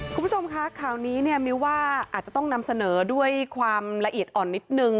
คุณผู้ชมคะข่าวนี้เนี่ยมิวว่าอาจจะต้องนำเสนอด้วยความละเอียดอ่อนนิดนึง